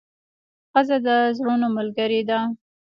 ښځه د زړونو ملګرې ده.